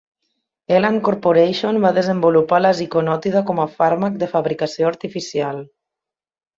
Elan Corporation va desenvolupar la ziconotida com a fàrmac de fabricació artificial.